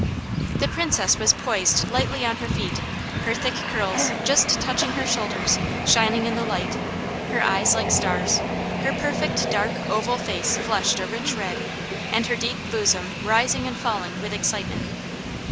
The Princess was poised lightly on her feet, her thick curls, just touching her shoulders, shining in the light; her eyes like stars, her perfect, dark oval face flushed a rich red, and her deep bosom rising and falling with excitement.